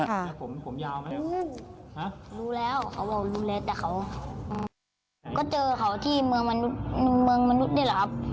รู้แล้วเขาบอกว่ารู้แล้วแต่เขาก็เจอเขาที่เมืองมนุษย์เนี่ยเหรอครับ